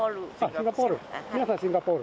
シンガポール？